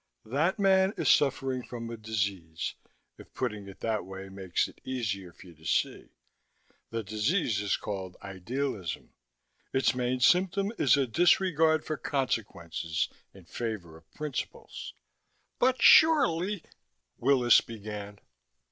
"That man is suffering from a disease, if putting it that way makes it easier for you to see. The disease is called idealism. Its main symptom is a disregard for consequences in favor of principles." "But surely " Willis began.